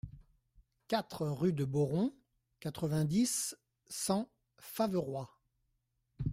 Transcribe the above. quatre rue de Boron, quatre-vingt-dix, cent, Faverois